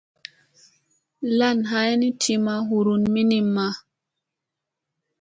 Lan ay ni ti ma hurun minimma.